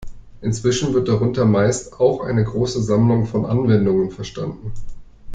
Inzwischen wird darunter meist auch eine große Sammlung von Anwendungen verstanden.